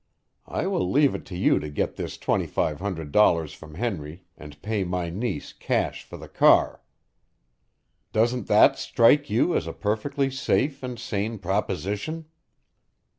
I will leave it to you to get this twenty five hundred dollars from Henry and pay my niece cash for the car. Doesn't that strike you as a perfectly safe and sane proposition?"